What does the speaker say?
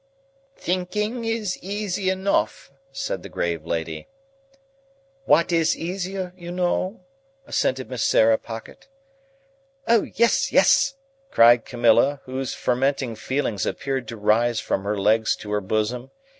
"Thinking is easy enough," said the grave lady. "What is easier, you know?" assented Miss Sarah Pocket. "Oh, yes, yes!" cried Camilla, whose fermenting feelings appeared to rise from her legs to her bosom.